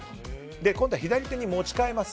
今度は左手に持ち替えます。